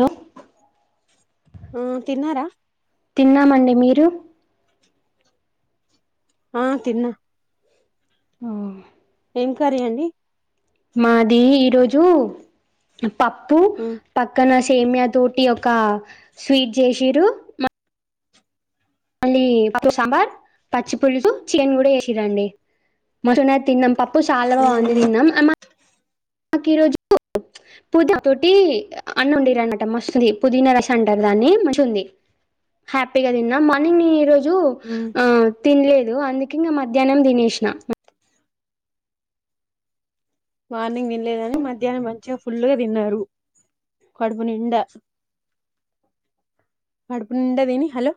హ ఆ తిన్నారా తిన్నామండి మీరు ఆ తిన్న ఉమ్ ఏం కర్రీ అండి మాది ఈ రోజు తప్పు ఉమ్ పక్కన సేమయతోటి ఒకా స్వీట్ చేసీరు మళ్ళీ పప్పు సాంబార్ పచ్చిపుులుసు చికెన్ కూడా చేసి రండి మొత్తమె తిన్న పప్పు చాల బాగుంది తిన్నాం నాకు ఈ రోజు పుదీనా తోటి అన్న ఉండేర అనమాట మస్తుంది పుదీనా రసం అంటారు దాన్ని మంచింది హ్యాపీగా తిన్నా మార్నింగ్ ఈ రజు జు ఉమ్ ఆ తినలేదు అందుకు ఇంకా మధ్యాహ్నం తినేసిన మార్నింగ్ వినలేదని మధ్యాహ్నం మంచిగా ఫుల్గా తిన్నారు కడుపు నిండా పడుపునుడాదేని హలో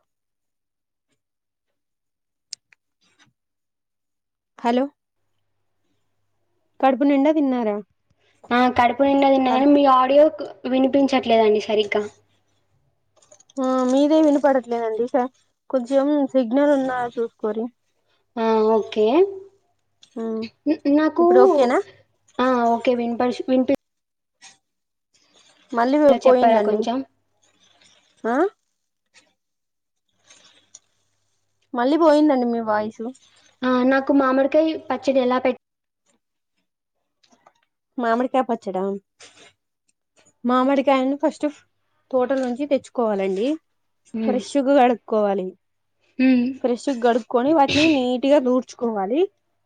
హలో కడుపు నిండా తిన్నారా ఆ కడుపు నిండ దిన్నా హల్ కానీ మీ ఆడియో వినిపించట్లేదండి సరిగ్గ ఆ మీదే వినపడట్లేదండి ఇక కొంచెం సిగ్నల్ ఉన్నా చూసుకోరి ఆ ఓకే ఉమ్ న్ నాకు ఇప్పుడు ఓకేనా ఆ ఓకే వినిపడుచ వెంటే మళ్ళీ ఎదో చెప్పారా పోయిందండి కొంచెం? ఆ మళ్ళి పోయిందండి మీ వాయిసు ఆ నాకు మామిడికాయ పచ్చడి ఎలా పెట్ మామిడికాయ పచ్చడా మామిడికాయని ఫస్ట్ తోటల్ నుంచి తెచ్చుకోవాలండి హ్మ్. ఫ్రెష్గా కడుక్కోవాలి హ్మ్. ఫ్రెష్ గడుపు క్కోని వాటిని నీట్గా దూర్ ఉంచుకోవాలి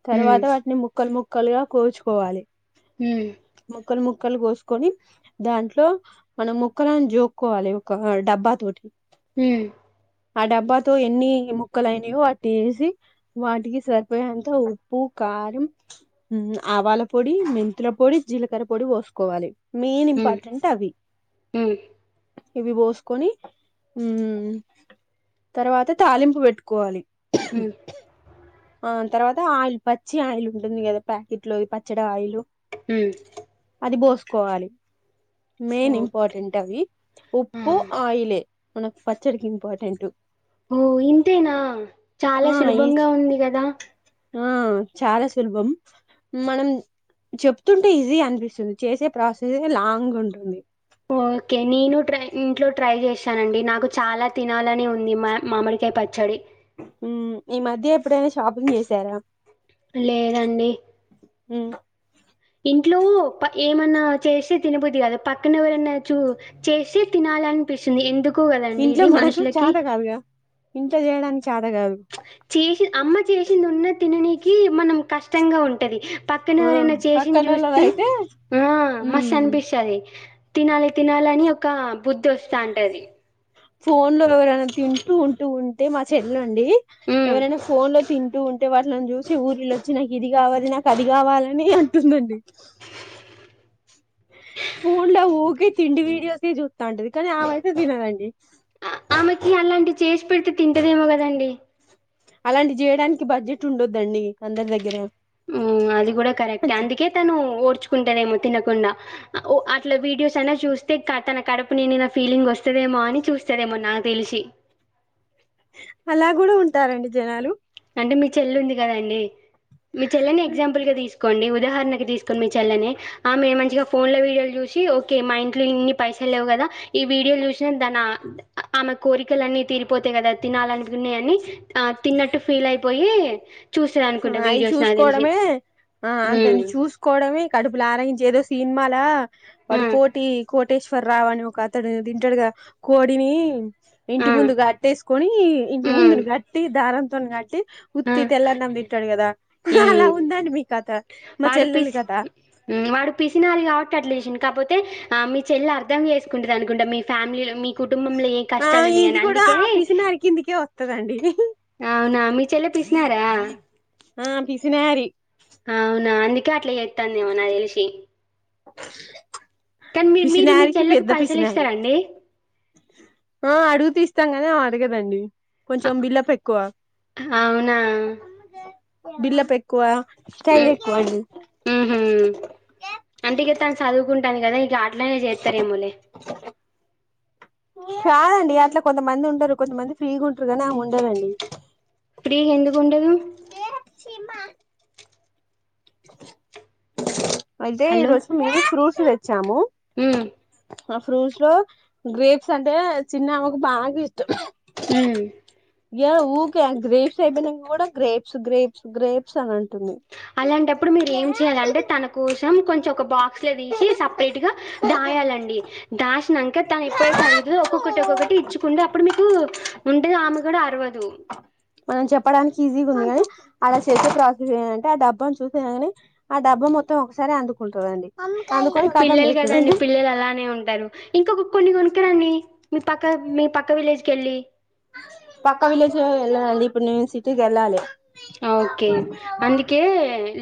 తర్వాత హ్మ్. వాటిని ముక్కల్ ము క్కలుగ కోసుకోవాలి హ్మ్. ముక్కల్ ము ముక్కలు కోసుకొని దాంట్లో మనం ముక్కలలను జోక్కోవాలి ఒక డబ్బా తోటి హుమ్ ఆ డబ్బాతో ఎన్ని ముక్కలుయినయో అవి తీసి వాటికి సరిపోయేంత ఉప్పు కారం ఆవాల పొడి మె పతుల పొడి జీలకర్ర పొడి పోసుకోవాలి మీన్ హ్మ్. ఇంపార్టెంట్ అవి హ్మ్. ఇవి పోసుకొని ఉమ్ తర్వాత తాలింపు పెట్టుకోవాలి హ్మ్. ఆ తర్వాత ఆయిల్ పచ్చి ఆయిల్ ఉంటుంది కదా ప్యాకెట్ లోది పచ్చడి ఆయిల్ హ అది పోసుకోవాలి మెయిన్ ఓకే. ఇంపార్టెంట్ అవి ఆ! ఉప్పు ఆయిలే మనకు పచ్చడికి ఇంపార్టెంట్ ఓ ఇంతేనా చాలా ఆ ఈ సులభంగా ఉంది కదా ఆ చాలా సులభం మనం చెప్తుంటే ఈజీ అనిపిస్తుంది చేసే ప్రాసెస్ లాంగ్ ఉంటుంది ఓకే నేను ట్రై ఇంట్లో ట్రై చేసా చనండి నాకు చాలా తినాలని ఉ మా మామిడికాయ పచ్చడి ఉ ఈ మధ్య ఎప్పుడైన షాపింగ్ చేసార లేదండి హుమ్ ఇంట్లో ఏమన్నా చేస్తే తినపోద్ది కాదు పక్కన ఎవరన్నా చూ చేస్తే తినాలనిపిస్తుంది ఎందుకు ఇంట్లో మనకు చాత కాదుగ చేయడానికి చదా కాదు చేసి అమ్మ చేసింది ఉన్న తిినకి మనం కష్టంగా ఉంటది పక్కన ఎవరైనా చేసిిన చూస్తే పక్కనోళ్ళదైతే ఆ మస్తు అనిపిస్తుంది తినాలి తినాలి అని ఒక బుద్ధి వస్తాంటది ఫోన్ లో ఎవరైనా తింటూ ఉంటూ ఉంటే మా చెల్ మ్మ్ ఎవరైనా ఫోన్ లో తి చూ ఉంటే వాళ్టిని చూసి ఊరిళొచ్చి నాకు ఇది కావాలి నాకు అది కావాలని అంటుందండి ఫోన్లా హగి తిండి వీడియోస్ే చూస్తా ఉంటది కానీ ఆ వైతే తినదండి ఆమెకి అలాంటి చేసి పెడితే తింటదేమో కదండి అలాంటి చేయడానికి బడ్జెట్ ఉండొద్దండి అందరి దగ్గర అది కూడా కరెక్ట్ అందుకే తను ఓడ్ చచుకుంటదేమో తినకుండా ఓ అట్లా వీడియోస్ అయినా చూస్తే తన కడపు నేనే ఫీలింగ్ వస్తదేమో అని చూస్తదేమో నాకు తెలిసి అలా కూడా ఉంటారండి జనాలు అంటే మీ చెల్లు ఉంది కదా అండి మీ చెల్లని ఎగ్జాంపుల్ గా తీసుకు తీసుకోండి ఉదాహరణకు తీసుకోండి మీ చెల్లని ఆ మేము మంచిగా ఫోన్ లో వీడియోలు చూసి ఓకే మా ఇంట్లో ఇన్ని పైసలు లేవు కదా ఈ వీడియోలు చూసినా దన ఆమె కోరికలు అన్నిీ తిరిపోతా కదా తినాలనుకున్నాయని ఆ తన్నట్టు పలయిపోయి ఆ అవి చూసుకోవడమే ఆ అ దాన్ని హ్మ్. చూసుకోవడమే కడుపులు ఆరగించే ఏదొస్త సినిమాాల హ్మ్. పడుకోటి కోటి వెంటేశ్వర రావు అని ఒక అతడు తింటాడుగా కోడిని ఆ! ఇంటి ముందు కట్టేసుకుని ఇంటి హ్మ్. ముందుని కట్టి దన తొన్నాటి ఆ! ఉతీతెల్లార్ నందిన్ ఉంటడు కదా అలా హ్మ్. ఉందండి మీ కథ మా వాడు చెల్లెలి పిస్ కథ హ్మ్. వాడు పిసినారి కాబట్టి అట్లా చేసిండు. కాపోతే ఆ మీ చెల్లి అర్థం చేసుకుంటుంది అనుకుంట మీ ఫ్యామిలీలో మీ కుటుంబంలో ఏ ఆ కష్టాలున్నాయని. ఇది కూడా అందుకే పిసినారి కిందికే వతదండి అవునా మీచెల్లి పిసినారా ఆ పిసినారి అవు అందుకే అట్లా చెత్తందేమో నాకు తెలిసి కానీ మీ మీరు మీ పిసినారికి చెల్లకి పెద్ద పైసలు పిసినారి ఇస్తారండి ఆ అడుగుతే ఇస్తాం కని అడగదండి అ కొంచం బిల్డప్ ఎక్కువ అవునా! బిల్డప్ పెక్కువ అంటె ఇగ తను చదువుకుంటాది కదా అట్లానే చేతారెమోలే కాదండి అట్లా కొంతమంది ఉంటారు కొంతమంది ఫ్రీగుంటారు గానీ ఆమె ఉండదండి ఫ్రీ గా ఎందుకుండదు ఎమ అయితే ఈ హలో! రోజు మీరు ఫ్రూట్ ప్లేచ్చాము హ్మ్ ఆ ఫ్రూట్స్ లో గ్రేప్స్ అంటే చిన్నమకు బాగా ఇష్టం హ్మ్ యా ఊకే గ్రేప్స్ అయిపోయినక కూడా గ్రేప్స్ గ్రేప్స్ గ్రేప్స్ అనం అలాంటప్పుడు మీరు ఏం చెయాలంటే తనకు కొం చెమ్ బాక్స్ ల తీసి సెపరేట్ గా దాయాలండి దాస్ నంక తను ఎప్పుడైతే అడుగుతుదో ఒక్కొక్కటి ఒక్కొక్కటి ఇచ్చుకుంటే అప్పుడు మీకు ఉండదు ఆమె కూడా అరవదు మనం చెప్పడానికి ఈజీగా ఉంది గాని అలా చేసే ప్రాసెస్ంటే ఆ డబ్బాని చూసినకాని ఆ డబ్బా మొత్తం ఒకసారే అందుకుం టదండి అందుకని కథం పిల్లలు గదండీ చేస్తదండి పిల్లలు అలానే ఉంటారు. ఇంకొక కొన్ని కొనుకరండి మీ పక్క మీ పక్క విలేజ్ కెళ్ళి పక్క విలేజ్ ఎల్లనండీ ఇప్పుడు నేను సిటీకి కెల్లాలే ఓకే అందుకే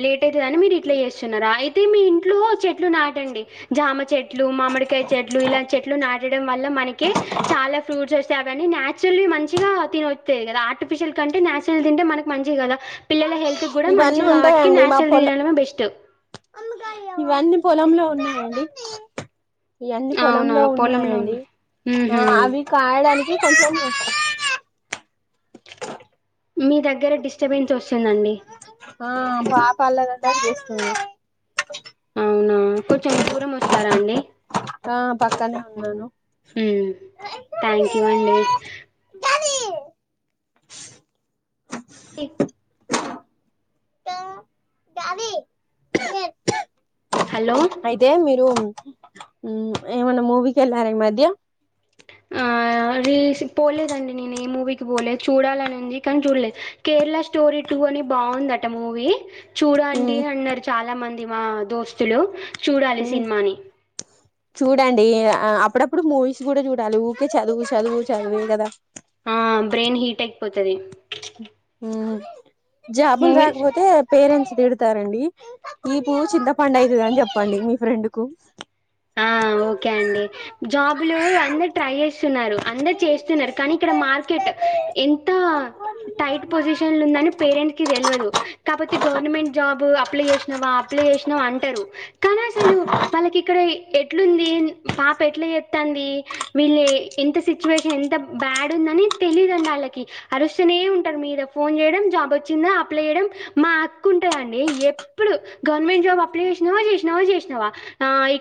లేట్ అయితదని మీరు ఇట్లా చేస్తున్నారా అయితే మీ ఇంట్లో చె ట్లు నాటండి జామ చెట్లు మామిడికాయ చెట్లు ఇలా చెట్లు నాటడం వల్ల మనకి చాలా ఫ్రూట్స్ వస్ స్తాయి అవన్నీ నేచురల్లీ మంచిగా తిన వస్తా కద ఆర్ఫిషిల్ కంటే నేచురల్ తింటే మనకి మంచేగద పిల్లల హెల్త్ గుడా ఇవన్నీ మంచిది కాబట్టి ఉంటాయండి మా నాచురల్ పొల తినడమే బెస్ట్ ఇవన్నీ పొలంలో ఉన్నాయండి ఇవన్నీ అవునా! పొలంలో పొలంలో ఉన్న ఉన్నాయండి ఆ హుహు. అవి కాయడానికి కఫ మీ దగ్గర డి ఆ బా పాల చేస్తు అవునా కొంచెం దూరం వస్తారా అండి ఆ పక్కనే ఉన్నా హ్మ్. థ్యాంక్ యూ అండి. ఏ త దబి హలో! అయితే మీరు ఏమన్నా మూవీకిెళ్ళారా ఈ మధ్య ఆ రస్ పోలేదండి నేను ఈ మూ పోలేదు చూడాలనింది కానీ చూడలేదు కేరళ స్టోరీ టూ అని బాగుందట మూవీ చూడంండి అన్నారు చాలా మంది అ మా దోస్తులు చూడాలి సినిమాని చూడండి అప్పుడప్పుడు మూవీస్ కూడా చూడాలి ఊరికే చదువు చదువు చదువే కదా ఆ బ్రెయిన్ హీట్ అయిపోతుది ఆ జాబులు రాకపోతే పేరెంట్స్ డతారండి మీపు చింతపండు అయితుద అని చెప్పండి మీ ఫ్రెండ్ కు ఆ ఓకే అండి జాబ్ులు అందరు ట్రై చేసి అందరు చేస్తున్నారు కానీ ఇక్కడ మార్కెట్ ఎంత టైట్ పొజిషన్ ఉందని పేరెంట్స్ కి తెలియదు కాబతే గవర్నమెంట్ జాబ్ అప్లై చేసినవా అప్లై చేసినావా అంటారు కానీ అసలు వాళ్ళకి ఇక్కడ ఎట్లుంది పాప ఎట్లా ఎత్తంది వీళ్ళ ఎంత సిచ్యువేషన్ ఎంత బ్యాడ్ ఉందని తెలీదండి వాళ్ళకి అరుస్తనే ఉంటారు మీద ఫోన్ చేయడం జాబ్ వచ్చిందా అప్లై చేయడం మా హక్కు ఉంటందండి ఎప్పుడు గవర్నమెంట్ జాబ్ అప్లై చేసినావా చేసినావాో చేసినావా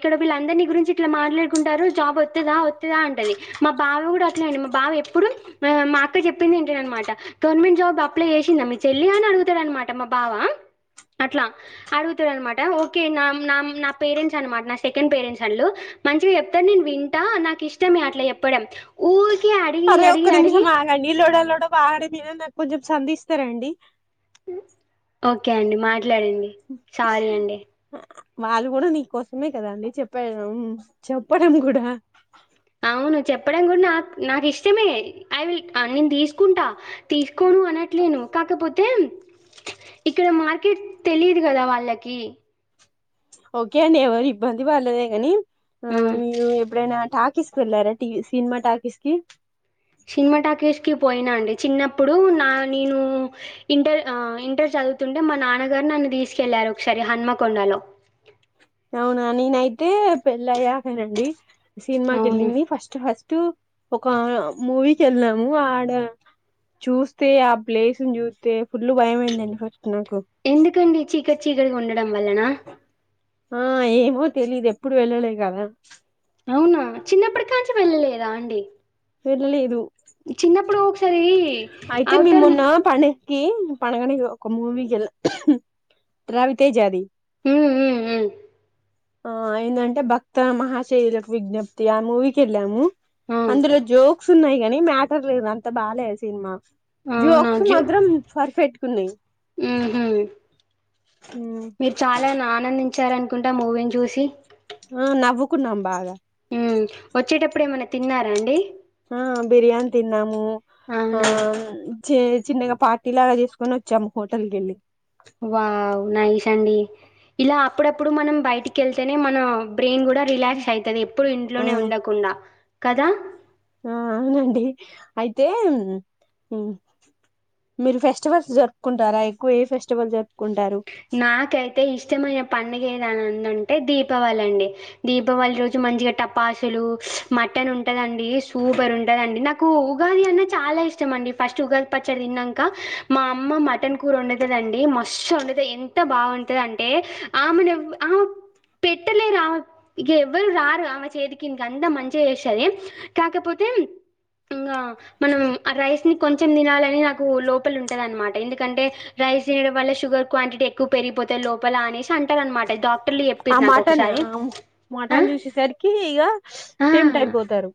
ఇక్కడ వీళ్ళ అందరినీ గురించి ఇట్లా మాట్లాడుకుంటారు జాబ్ వస్తుందా వస్తుందా అంటది మా బావ కూడా అట్లా అండి మా బావ ఎప్పుడు మా అక్క చెప్పింది ఏంట అనమాట గవర్నమెంట్ జాబ్ అప్లై చేసిందా మీ చెల్లి అని అడుగుతాడు అనమాట మా బావ అట్లా అడుగుతాడు అనమాట ఓకే నా పేరెంట్స్ అనమాట సెకండ్ పేరెంట్స్ అలు మంచిగా చెప్తారు నేను వింటా నాకు ఇష్టమే అట్లా చెప్పడం ఊ అరే ఒక నిమిష మాగాడి లోడ లోడ వాగ నాకు చధస్తారంండి ఓకే అండి మాట్లాడండి సారీ అండి వాళ్ళు కూడా నీకోసమే కదాండి చెప్ప చెప్పడం కూడా అవును చెప్పడం కూడా నా నాకు ఇష్టమే ఐ విల్ నేను తీసుకుంటా తీసుకోను అనట్లేను కాకపోతే ఇక్కడ మార్కెట్ తెలియదు కదా వాళ్ళకి ఓకే అండి ఎవరు ఇబ్బంది పడలేదే కాని ఆ మీరు ఎప్పుడైనా టాక్ తిస్కేల్లారా టీ సినిమా టాకీస్కి సినిమా టాకీస్ కి పోయిన అండి చిన్నప్పుడు నా నేను ఇంటర్ ఆ ఇంటర్ చదువుతుంటే మా నాన్నగారు నన్ను తీసుకెళ్ళారు ఒకసారి హన్మకొండలో అవునా నేనైతే పెళ్ళ అయ్యాకనండి సినిమాకి అవును వెళ్ళింది ఫస్టు ఫస్టు ఒక మూవీకి కెళ్ళాము ఆడ చూస్తే ఆ ప్లేస్ని చూస్తే ఫుల్ భయమయిందండి ఫస్ట్ నాకు ఎందుకండి చి కచ్చిగా ఉండడం వల్లనా ఆ ఏమో తెలీదు ఎప్పుడు వెళ్ళలే కదా అవునా చిన్నప్పటి కాంచి వెళ్ళలేదా అండి వెళ్ళ లేదు చిన్నప్పుడు ఒకసారి అయితే మి అవతార్ మొన్న పండే ఉ పడవలో ఒక మూవీకెళ్ళ త్రావితే జాది మ్మ్ మ్మ్ ఆ ఏంటంటే భక్త మహాశైలకు విజ్ఞప్తి ఆ మూవీకి వెళ్ళాము మ్మ్ అంద్ర జో క్స్ ఉన్నాయి కానీ మ్యాటర్ లేదు అంత బాలే సినిమా ఆ అవునా జోక్స్ జూ మాత్రం పర్ఫెక్ట్గున్నాయి ఊహూ. మీరు చాలా నా ఆనందిం ఇచ్చారనుకుంట ఆ మూవీని చూసి ఆ నవ్వుకున్నామ్ బాగా ఉ వచ్చేటప్పుడు ఏమన్నా తిన్నారా అండి ఆ బిర్యాని తిన్నాము ఆ అవునా! చె చిన్నగా పార్టీ లాగా చేసుకొని వచ్చాము హోటల్ కెళ్ళి వావ్ నైస్ అండి ఇలా అప్పుడప్పుడు మనం బయటికి కెళ్తేనే మన బ్రెయిన్ కూడా రిలాక్స్ అయితది ఎప్పుడు ఆ ఇంట్లోనే ఉండకుండా కదా ఆ అవునండి అయితే ఉ మీరు ఫెస్టివల్స్ జరుపుకుంటారా ఎక్కువ ఏ ఫెస్టివల్ జరుప్ నాకైతే ఇష్టమయ పండుగ ఏదనంనందంటే దీపావళి అండి దీపావళి రోజు మంచిగా టపాసులు మటన్ ఉంటదండి సూపర్ ఉంటదండి నాకు ఉగాది అన్నా చాలా ఇష్టం అండి ఫస్ట్ ఉగాది పచ్చడి తిన్నాక మా అమ్మ మటన్ కూర వండుతదండి మస్తు వండు ఎంత బాగుంటది అంటే ఆమెను ఎవ్వ అ పెట్టలే రా ఇక ఎవ్వరు రారు ఆమె చేతికిందికి అంత మంచిగా చేస్తది కాకపోతే ఇంగ మనం రైస్ ని కొంచెం తినాలని నాకు లోపల ఉంటది అనమాట ఎందుకంటే రైస్ తినడం వల్ల షుగర్ క్వాంటిటీ ఎక్కువ పెరిగిపోతాయి లోపల అనేసి అంటారు అనమాట డాక్ ఆ మటన్ ఆ ఆ! మటన్ చూసేసరికి ఇక ఆ! టెమ్ట్ అయిపోతారు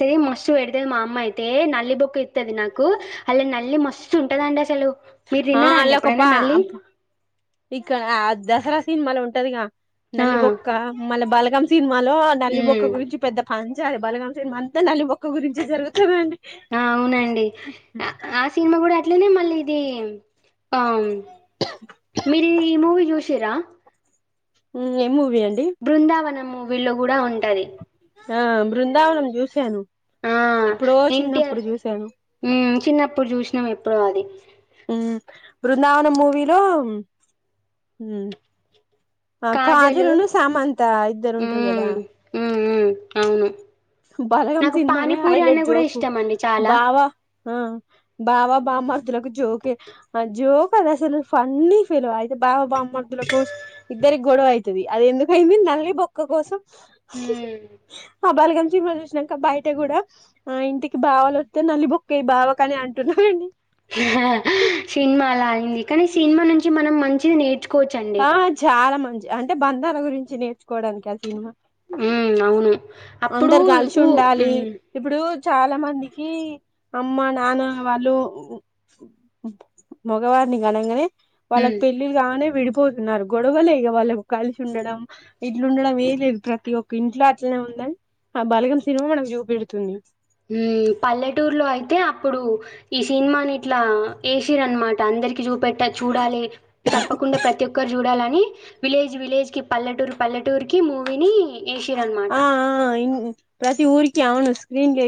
సేమ్ మస్తు పెడతది మా అమ్మ అయితే నల్లి బొక్క ఏతది నాకు అలా నల్లి మస్తు ఉంటదండి అసలు మీరు ఆ అల్ల దినరాండి ఏప్ ఒక పా ఇక్క ఆ దసరా సిన్మాళ ఉంటదిగా ఆ! నల్లి బొక్క మళ బలగామ సినిమాలో నల్లి బొక్క హ్మ్. గురించి పెద్ద పంచాయ్ బలగాం సిన్మాంత నల్లి బొక్క గురించ జరుగుతదండి ఆ అవునండి అ ఆ సినిమా కూడా అట్లనే మళ్ళీ ఏం అవును మీరు ఈ మూవీ చూసిరా ఉహ్మ్ ఎమ్ము బృందావన మూవీల్లో కూడా ఉంటాది. ఆ బృందావనం చూశాను. ఆహ్ ఎం. టి. ఆర్ ఉహ్మ్ చిన్నప్పుడు చూసినాం ఎప్పుడో అది. ఊ బృందావనం మూవిలో ఊ ఆ కాజలు కాజల్ ను సమంతా ఇద్దరూ ఉంట్రూ మ్మ్ గాదా మ్మ్ మ్మ్ అవును బలగం నాకు సినిమానే పానీపూరి అన్న హైలైట్ కూడా జోకు ఇష్టం అండి చాలా బావా ఆ బావ బామ్మర్దలకు జోకే ఆ జోక్ కదసలు ఫన్నీ ఫీల్యితే బావ బామర్ ర్దులకు ఇద్దరీ గోడవయి తది అది ఎందుకు అయింది. నల్లి బోక్ క్క కోసం మ్మ్ ఆహ్ బలగం చిమా చూసినాక బయట కూడా. ఆ ఇంటికి బావలు వస్తే నల్లి బొక్కయి బావకని అంటున్నారండి. సినిమా అలా అయింది. కానీ సినిమా నుంచి మనం మంచిది నేర్చుక్ ఆ చాలా మం చి అంటే బంధాల గురించి నేర్చుకోవడానికి. ఆ సినిమా. ఉహ్మ్ అవును అప్పుడు అందరు కలిసి ఊ ఉండాలి ఉహ్మ్ ఇప్పుడు చాలా మందికి అమ్మ, నాన్న వాళ్ళు మగవారిని గనంగానే వాళ్ళకి మ్మ్ పెళ్ళిల్గానే విడిపో పోతున్నారు. గొడవలే ఇగా వాళ్ళకు కలిసి ఉండడం, ఇట్లుండడం ఏం లేదు. ప్రతి ఒక్క ఇంట్లో అట్లనే ఉందని. ఆ బలగం సినిమా మనకు చూపెడుతుంది. ఉహ్మ్ పల్లెటూరులో అయితే అప్పుడు. ఈ సినిమాని ఇట్లా వేసిరనమాట అందరికి చూ పేట్ట చూడాలి. తప్పకుండా ప్రతి ఒక్కరు చూడాలంట్ నీ విలేజ్, విలేజ్ కి, పల్లెటూరు, పల్లెటూరు కి మూవీని. ఆ ఆ ఏషిరనమాట. ఇంగ్ ప్రతి ఊరిక్ అవును స్క్రీన్ చేసి